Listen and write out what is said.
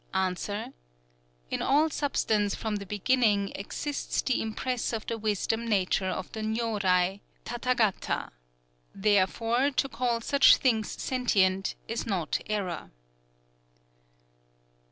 A. In all substance from the beginning exists the impress of the wisdom nature of the Nyōrai (Tathâgata): therefore to call such things sentient is not error.